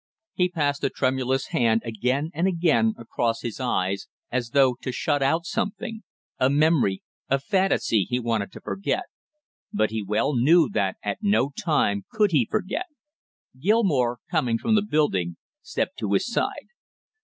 He passed a tremulous hand again and again across his eyes, as though to shut out something, a memory a fantasy he wanted to forget; but he well knew that at no time could he forget. Gilmore, coming from the building, stepped to his side.